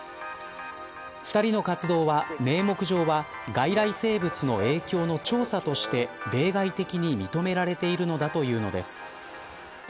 ２人の活動は名目上は、外来生物の影響の調査として例外的に認められているのだというのです。